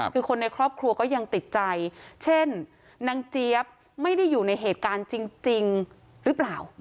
คือคนในครอบครัวก็ยังติดใจเช่นนางเจี๊ยบไม่ได้อยู่ในเหตุการณ์จริงหรือเปล่า